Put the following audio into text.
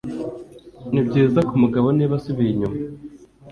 Nibyiza kumugabo niba asubiye inyuma